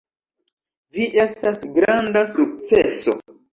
Vi estas granda sukceso.